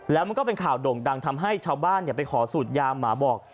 แล้วมันก็เป็นข่าวโด่งดังทำให้ชาวบ้านไปขอสูตรยาหมาบอก